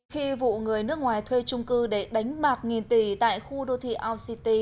khi vụ người nước ngoài thuê chung cư để đánh bạc nghìn tỷ tại khu đô thị old city